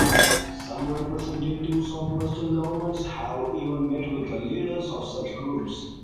Some representatives of Western governments have even met with leaders of such groups.